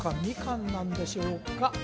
「みかん」なんでしょうか？